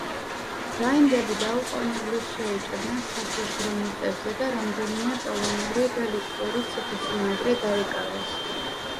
რაინდები დაუყოვნებლივ შეიჭრნენ სასაზღვრო მიწებზე და რამდენიმე პოლონური და ლიტვური ციხესიმაგრე დაიკავეს.